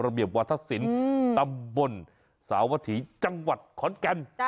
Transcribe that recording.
เบียบวัฒนศิลป์ตำบลสาวถีจังหวัดขอนแก่น